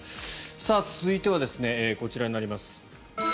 続いてはこちらになります。